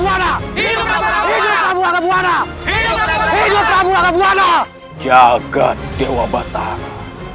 api pemberontakan ini sudah menjalar kemana mana